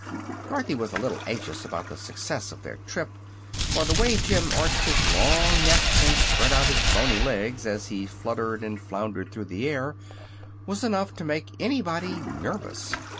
Dorothy was a little anxious about the success of their trip, for the way Jim arched his long neck and spread out his bony legs as he fluttered and floundered through the air was enough to make anybody nervous.